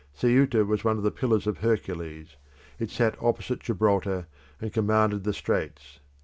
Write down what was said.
Ceuta was one of the pillars of Hercules: it sat opposite Gibraltar, and commanded the straits.